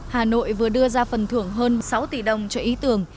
hà nội vừa đưa ra phần thưởng hơn sáu tỷ đồng cho ý tưởng